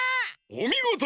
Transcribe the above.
おみごと！